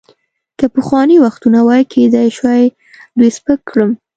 که پخواني وختونه وای، کیدای شوای دوی سپک کړم.